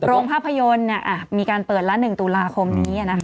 โรงภาพยนตร์มีการเปิดละ๑ตุลาคมนี้